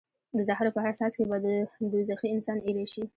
د زهرو په هر څاڅکي به دوزخي انسان ایره شي.